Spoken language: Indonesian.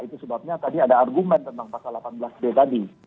itu sebabnya tadi ada argumen tentang pasal delapan belas d tadi